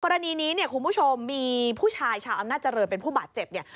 กรณีนี้เนี่ยคุณผู้ชมมีผู้ชายชาวอำนาจริงเป็นผู้บาดเจ็บเนี่ย